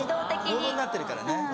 モードになってるからね。